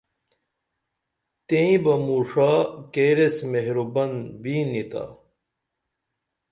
تئیں بہ موں ݜا کیر ایس مہربن بیں نی تا